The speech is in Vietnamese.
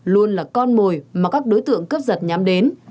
luôn là con mồi mà các đối tượng cướp giật nhắm đến